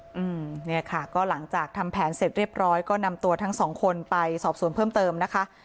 อืมเนี่ยค่ะก็หลังจากทำแผนเสร็จเรียบร้อยก็นำตัวทั้งสองคนไปสอบสวนเพิ่มเติมนะคะ